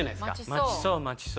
待ちそう待ちそう。